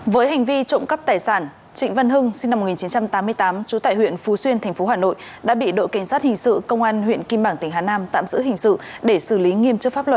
với hành vi trộm cắp tài sản trịnh văn hưng sinh năm một nghìn chín trăm tám mươi tám trú tại huyện phú xuyên tp hà nội đã bị đội cảnh sát hình sự công an huyện kim bảng tỉnh hà nam tạm giữ hình sự để xử lý nghiêm chức pháp luật